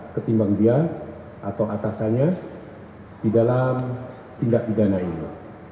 ketimbang dia atau atasannya di dalam tindak pidana ini